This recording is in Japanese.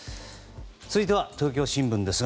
続いては東京新聞です。